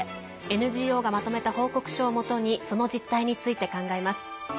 ＮＧＯがまとめた報告書をもとにその実態について考えます。